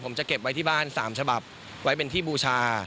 ผมจะเก็บไว้ที่บ้าน๓ฉบับไว้เป็นที่บูชา